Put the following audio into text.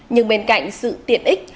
nhưng bên cạnh sự tiện ích